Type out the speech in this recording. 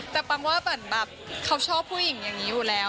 แต่ปังว่าเหมือนแบบเขาชอบผู้หญิงอย่างนี้อยู่แล้ว